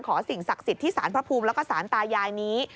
สิ่งศักดิ์สิทธิ์ที่สารพระภูมิแล้วก็สารตายายนี้